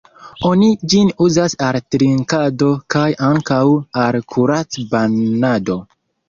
Oni ĝin uzas al trinkado kaj ankaŭ al kurac-banado.